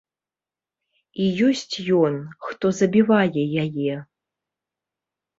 І ёсць ён, хто забівае яе.